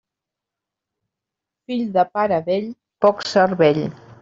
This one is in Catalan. Fill de pare vell, poc cervell.